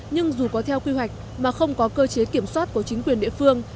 nhưng dù có theo quy hoạch mà không có cơ chế kiểm soát của chính quyền địa phương